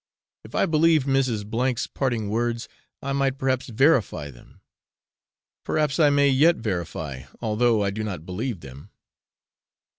If I believed Mrs. A 's parting words, I might perhaps verify them; perhaps I may yet verify although I do not believe them.